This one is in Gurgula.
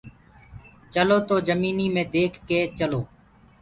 چلو تو جميني مي ديک ڪي چلو